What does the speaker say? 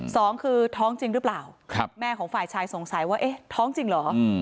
สองคือท้องจริงหรือเปล่าแม่ของฝ่ายชายสงสัยว่าเอ๊ะท้องจริงเหรอ